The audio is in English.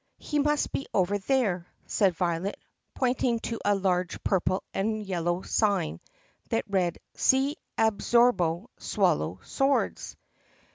"He must be over there," said Violet pointing to a large purple and yellow sign that read, "SEE ABSORBO SWAL LOW SWORDS."